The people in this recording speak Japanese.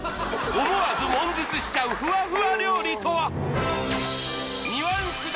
［思わずもん絶しちゃうふわふわ料理とは？］